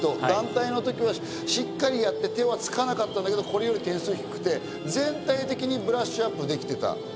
団体の時はしっかりやって手はつかなかったけど、これより点数が低くて、全体的にブラッシュアップできていた。